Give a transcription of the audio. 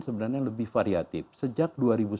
sebenarnya lebih variatif sejak